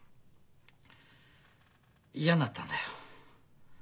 嫌になったんだよ。